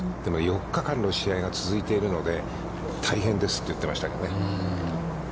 でも、４日間の試合が続いているので、大変ですと言ってましたけどね。